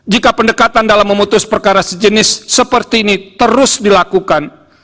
jika pendekatan dalam memutus perkara sejenis seperti ini terus dilakukan